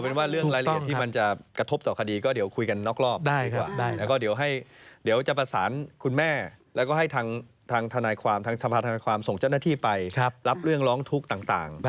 แล้วพยายามทราบสร้างความกันลองทุกข์ต่าง